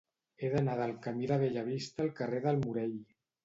He d'anar del camí de Bellavista al carrer del Morell.